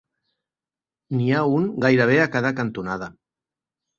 N'hi ha un gairebé a cada cantonada.